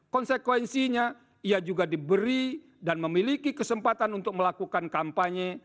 konsekuensinya ia juga diberi dan memiliki kesempatan untuk melakukan kampanye